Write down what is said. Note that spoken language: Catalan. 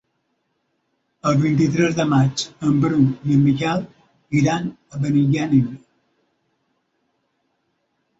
El vint-i-tres de maig en Bru i en Miquel iran a Benigànim.